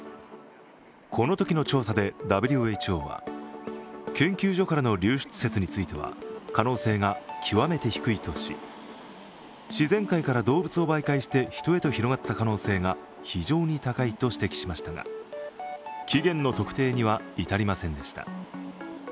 このときの調査でＷＨＯは研究所からの流出説については可能性が極めて低いとし、自然界から動物を媒介してヒトへと広がった可能性が非常に高いと指摘しましたが、起源の特定には至りませんでした。